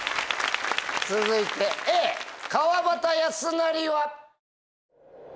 続いてＡ川端康成は。